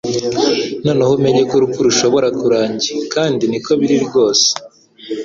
noneho umenye ko urupfu rushobora kurangi kandi niko biri rwose